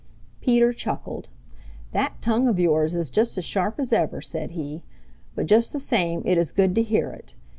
Peter chuckled. "That tongue of yours is just as sharp as ever," said he. "But just the same it is good to hear it.